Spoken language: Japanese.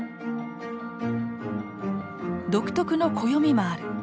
独特の暦もある。